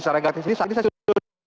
secara gratis ini saat ini saya sudah